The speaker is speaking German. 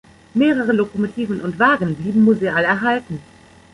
Mehrere Lokomotiven und Wagen blieben museal erhalten.